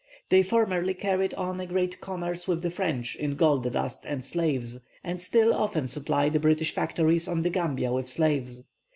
They formerly carried on a great commerce with the French in gold dust and slaves, and still often supply the British factories on the Gambia with slaves.